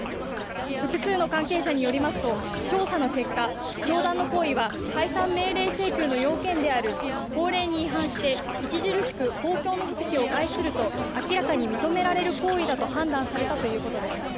複数の関係者によりますと調査の結果教団の行為は解散命令請求の要件である法令に違反して著しく公共の福祉を害すると明らかに認められる行為だと判断されたということです